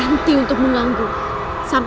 aku akan menganggap